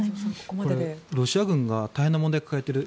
ロシア軍が大変な問題を抱えている。